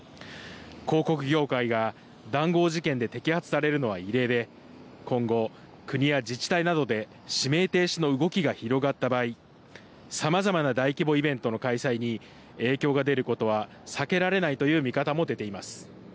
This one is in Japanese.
広告業界が談合事件で摘発されるのは異例で、今後、国や自治体などで指名停止の動きが広がった場合、さまざまな大規模イベントの開催に影響が出ることは避けられないという見方も出ています。